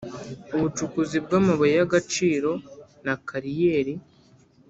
ubucukuzi bw’ amabuye y’ agaciro na kariyeri